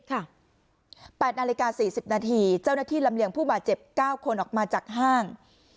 ๘นาฬิกา๔๐นาทีเจ้าหน้าที่ลำเลียงผู้บาดเจ็บ๙คนออกมาจากห้าง